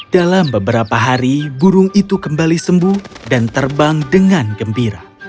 dalam beberapa hari burung itu kembali sembuh dan terbang dengan gembira